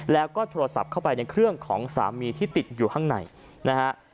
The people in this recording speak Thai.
แล้วก็โทรศัพท์เข้าไปในเครื่องของสามีที่ติดอยู่ข้างในนะฮะ